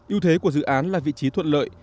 yêu thế của dự án là vị trí thuận lợi